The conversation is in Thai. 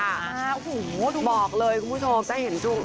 ป่าโหทุกคนบอกเลยคุณผู้ชม